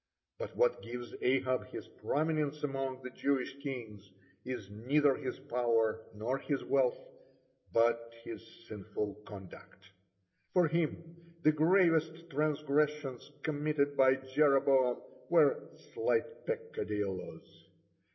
(33) But what gives Ahab his prominence among the Jewish kings is neither his power nor his wealth, but his sinful conduct. For him the gravest transgressions committed by Jeroboam were slight peccadilloes.